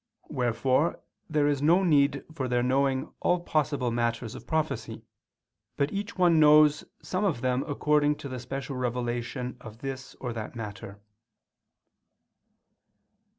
Wherefore there is no need for their knowing all possible matters of prophecy; but each one knows some of them according to the special revelation of this or that matter.